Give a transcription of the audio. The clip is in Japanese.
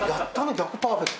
逆パーフェクト。